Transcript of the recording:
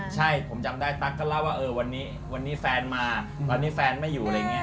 ใช่ผมจำได้ตั๊กก็เล่าว่าวันนี้แฟนมาวันนี้แฟนไม่อยู่อะไรอย่างเงี้ย